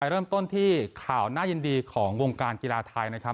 เริ่มต้นที่ข่าวน่ายินดีของวงการกีฬาไทยนะครับ